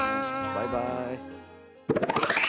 バイバーイ。